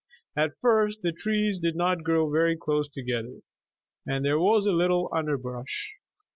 At first the trees did not grow very close together, and there was little underbrush.